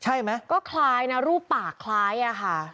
ใช่ไหมก็คล้ายนะรูปปากคล้ายอะค่ะ